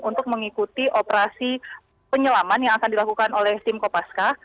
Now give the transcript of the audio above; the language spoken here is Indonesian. untuk mengikuti operasi penyelaman yang akan dilakukan oleh tim kopaska